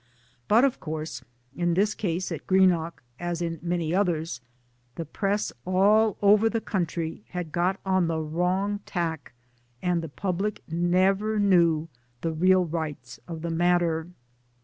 But of course in this case at Greenock, as in so many others, the Press all over the country had got on the wrong tack, and the public never knew the real rights of the matter.